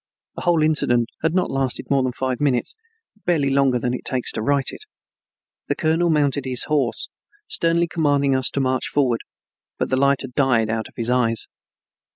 The whole incident had not lasted more than five minutes, barely longer than it takes to write it. The colonel mounted his horse, sternly commanding us to march forward, but the light had died out of his eyes.